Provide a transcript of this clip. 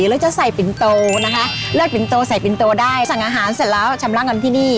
แล้วจะใส่ปินโตนะคะเลือดปิ่นโตใส่ปินโตได้สั่งอาหารเสร็จแล้วชำระเงินที่นี่